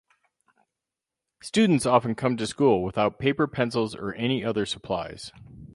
Students often come to school without paper, pencils, or any other supplies.